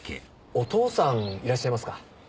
お父さんいらっしゃいますか？